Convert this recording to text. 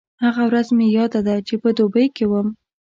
هغه ورځ مې یاده ده چې په دوبۍ کې وم.